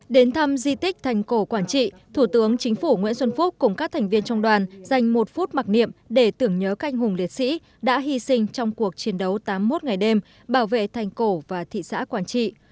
đến thăm di tích thành cổ quảng trị thủ tướng chính phủ nguyễn xuân phúc cùng các thành viên trong đoàn dành một phút mặc niệm để tưởng nhớ canh hùng liệt sĩ đã hy sinh trong cuộc chiến đấu tám mươi một ngày đêm bảo vệ thành cổ và thị xã quảng trị